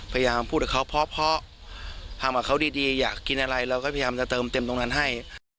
พยายามพูดกับเขาเพราะทำกับเขาดีอยากกินอะไรเราก็พยายามจะเติมเต็มตรงนั้นให้